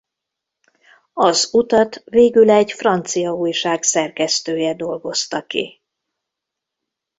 Az utat végül egy francia újság szerkesztője dolgozta ki.